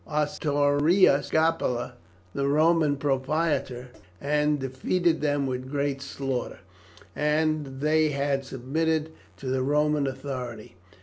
Ostorius Scapula, the Roman proprietor, had marched against them and defeated them with great slaughter, and they had submitted to the Roman authority.